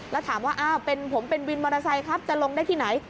แล้วถามว่าอ้าวผมเป็นวินมอเตอร์ไซค์ครับจะลงได้ที่ไหน